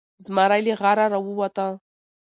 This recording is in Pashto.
زمری له غاره راووته.